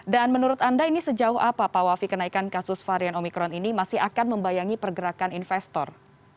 dan menurut anda ini sejauh apa pak wafi kenaikan kasus varian omikron ini masih akan membayangi pergerakan investor